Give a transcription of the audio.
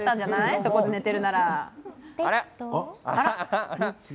そこで寝ているなら。